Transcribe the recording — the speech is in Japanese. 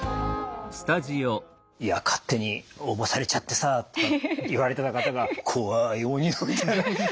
「いや勝手に応募されちゃってさ」とか言われてた方が「こわーいおにの」みたいな。